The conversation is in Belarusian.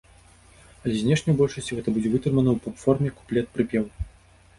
Але знешне ў большасці гэта будзе вытрымана ў поп-форме куплет-прыпеў.